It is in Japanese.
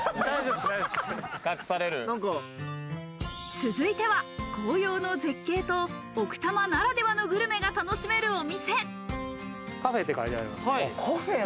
続いては、紅葉の絶景と奥多摩ならではのグルメが楽しめるお店。